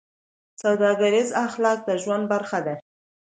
سوداګریز اخلاق د ژوند برخه ده.